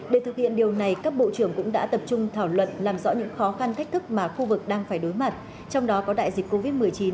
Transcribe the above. để thực hiện điều này các bộ trưởng cũng đã tập trung thảo luận làm rõ những khó khăn thách thức mà khu vực đang phải đối mặt trong đó có đại dịch covid một mươi chín